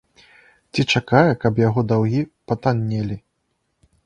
Ці чакае, каб яго даўгі патаннелі.